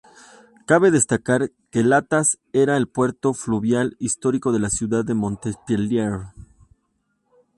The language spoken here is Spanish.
Cabe destacar que Latas era el puerto fluvial histórico de la ciudad de Montpellier.